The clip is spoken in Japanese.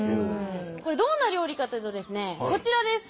これどんな料理かというとですねこちらです。